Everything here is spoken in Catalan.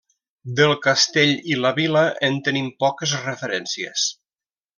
Del castell i la vila, en tenim poques referències.